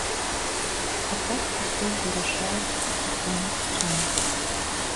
А так, усё вырашаецца, усё магчыма.